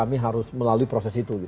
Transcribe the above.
dan kami harus melalui proses itu